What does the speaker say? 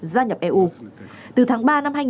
gia nhập lãnh thổ liên minh châu âu